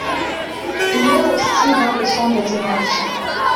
Il l’est aussi dans le champ des énergies.